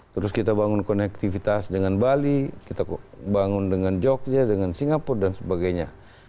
terus kita bangun konektivitas dengan bali kita bangun dengan jogja dengan singapura dan sebagainya